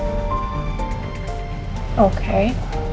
aku tuh bukan yang gak mikirin kamu sama sekali